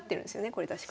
これ確か。